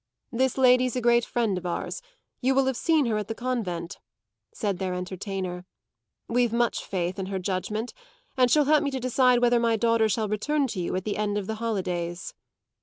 "This lady's a great friend of ours; you will have seen her at the convent," said their entertainer. "We've much faith in her judgement, and she'll help me to decide whether my daughter shall return to you at the end of the holidays."